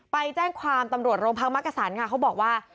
ไปแจ้งความตำรวจโรงพักมักกษันค่ะเขาบอกว่า